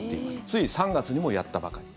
つい３月にもやったばかり。